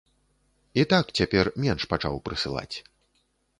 І так цяпер менш пачаў прысылаць.